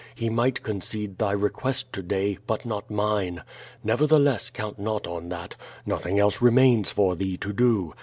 He might concede thy request to day, but not mine. Nevertheless, count not on that. Nothing else remains for thee to do.